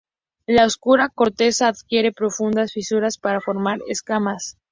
La oscura corteza adquiere profundas fisuras para formar escamas.